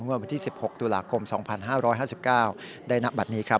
เมื่อวันที่๑๖ตุลาคม๒๕๕๙ใดหนักบันนี้ครับ